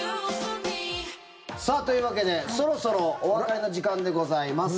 というわけで、そろそろお別れの時間でございます。